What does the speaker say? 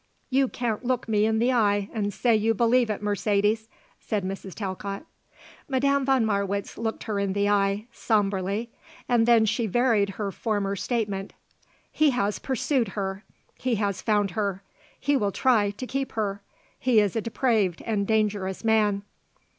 "You can't look me in the eye and say you believe it, Mercedes," said Mrs. Talcott. Madame von Marwitz looked her in the eye, sombrely, and she then varied her former statement. "He has pursued her. He has found her. He will try to keep her. He is a depraved and dangerous man."